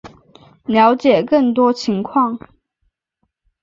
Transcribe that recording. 了解更多情况